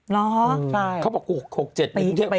น้อใช่เขาบอก๖๗ในกรุงเทพฯ